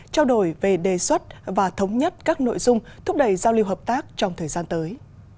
trao đổi về đề xuất và thống nhất các nội dung thúc đẩy giao lưu hợp tác trong thời gian tới